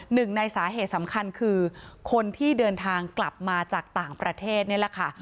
หนึ่งในสาเหตุสำคัญคือคนที่เดินทางกลับมาจากต่างประเทศนี่แหละค่ะ